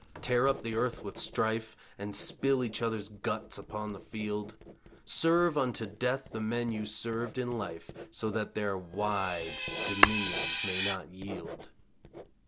Tear up the earth with strife And spill each others guts upon the field; Serve unto death the men you served in life So that their wide dominions may not yield.